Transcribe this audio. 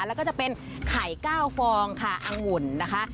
แล้วก็จะเป็นไข่๙ฟองค่ะอังุ่นนะคะ